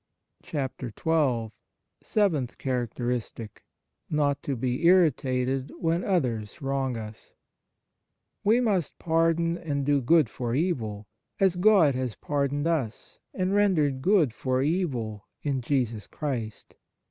27 XII SEVENTH CHARACTERISTIC Not to be irritated when others wrong its WE must pardon and do good for evil, as God has pardoned us and rendered good for evil in Jesus Christ.